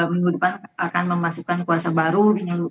minggu depan akan memasukkan kuasa baru